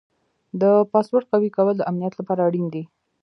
د پاسورډ قوي کول د امنیت لپاره اړین دي.